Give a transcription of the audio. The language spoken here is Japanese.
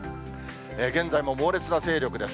現在も猛烈な勢力です。